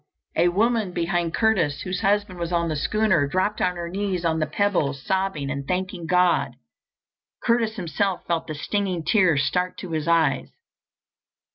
A woman behind Curtis, whose husband was on the schooner, dropped on her knees on the pebbles, sobbing and thanking God. Curtis himself felt the stinging tears start to his eyes.